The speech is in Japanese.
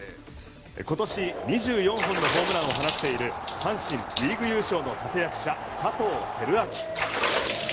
今年２４本のホームランを放っている阪神リーグ優勝の立役者佐藤輝明。